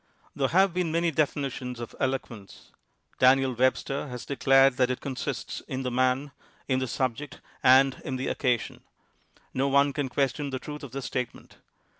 There have been many definitions of eloquence. Daniel Webster has declared that it consists in the man, in the subject, and in the occasion. No one can question the truth of his statement.